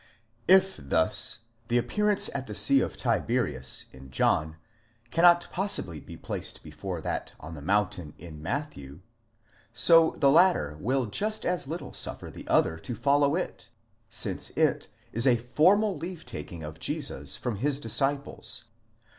If thus the appearance at the sea of Tiberias in John, cannot possibly be placed before that on the mountain in Matthew: so the latter will just as little suffer the other to follow it, since it is a formal leave taking of Jesus from his disciples.